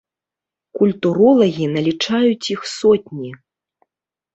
Культуролагі налічаюць іх сотні.